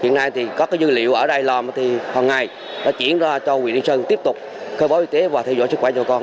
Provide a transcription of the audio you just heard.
nhưng nay thì có dư liệu ở đài loan thì hằng ngày đã chuyển ra cho quỳ lý sơn tiếp tục khai báo y tế và theo dõi sức khỏe cho con